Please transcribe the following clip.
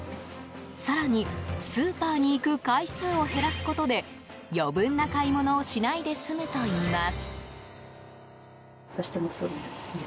更に、スーパーに行く回数を減らすことで余分な買い物をしないで済むといいます。